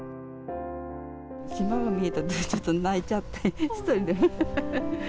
島が見えたとき泣いちゃって、１人で。